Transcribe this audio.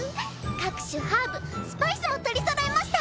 各種ハーブスパイスも取りそろえました。